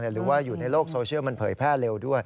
หรือว่าอยู่ในโลกโซเชียลมันเผยแพร่เร็วด้วย